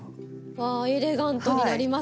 わあエレガントになりますね。